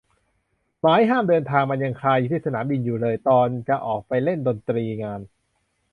หมายห้ามเดินทางมันยังคาอยู่ที่สนามบินอยู่เลยตอนจะออกไปเล่นดนตรีงาน